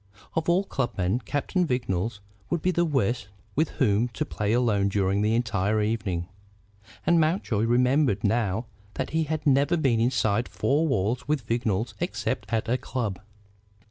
Of all club men, Captain Vignolles would be the worst with whom to play alone during the entire evening. And Mountjoy remembered now that he had never been inside four walls with Vignolles except at a club.